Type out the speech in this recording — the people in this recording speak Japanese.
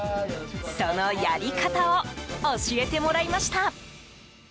そのやり方を教えてもらいました。